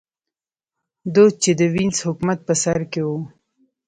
دوج چې د وینز حکومت په سر کې و